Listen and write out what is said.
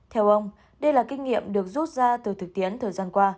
theo ông đây là kinh nghiệm được rút ra từ thực tiễn thời gian qua